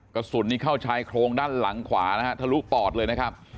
กระสุนนี้เข้าชายโครงด้านหลังขวานะฮะทะลุปอดเลยนะครับ